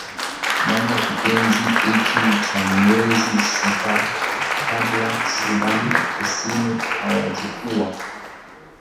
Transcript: namna kipindi hiki cha miezi sita kabla sudan kusini hawajakuwa